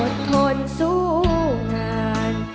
ทนสู้งาน